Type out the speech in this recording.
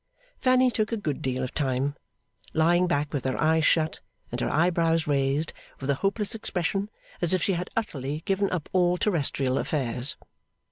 Fanny took a good deal of time: lying back with her eyes shut, and her eyebrows raised with a hopeless expression as if she had utterly given up all terrestrial affairs.